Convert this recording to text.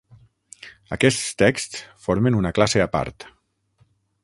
Aquests texts formen una classe a part.